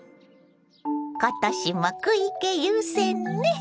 今年も食い気優先ね。